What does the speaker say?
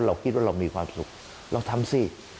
เราคิดว่าเรามีความสุขเราทำสิ